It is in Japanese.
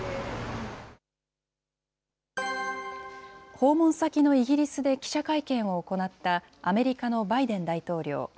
訪問先のイギリスで記者会見を行ったアメリカのバイデン大統領。